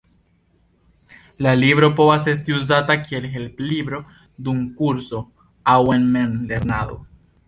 La libro povas esti uzata kiel helplibro dum kurso, aŭ en memlernado.